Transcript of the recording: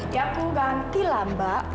ya aku ganti lah mbak